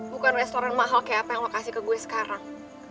bukan restoran mahal kayak apa yang mau kasih ke gue sekarang